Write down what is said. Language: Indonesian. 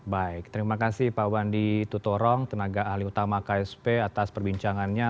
baik terima kasih pak wandi tutorong tenaga ahli utama ksp atas perbincangannya